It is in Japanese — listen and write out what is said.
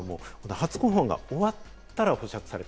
初公判が終わったら保釈された。